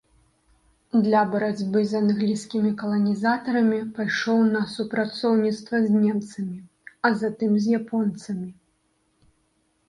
Для барацьбы з англійскімі каланізатарамі пайшоў на супрацоўніцтва з немцамі, а затым з японцамі.